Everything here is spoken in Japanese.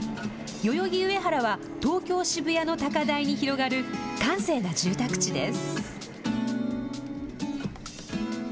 代々木上原は東京・渋谷の高台に広がる閑静な住宅地です。